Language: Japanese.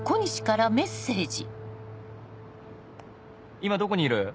「今どこにいる？